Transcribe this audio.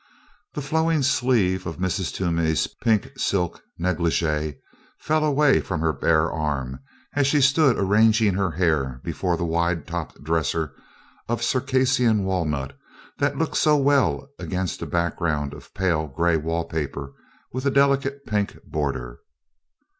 The flowing sleeve of Mrs. Toomey's pink silk negligee fell away from her bare arm as she stood arranging her hair before the wide topped dresser of Circassian walnut that looked so well against a background of pale gray wall paper with a delicate pink border.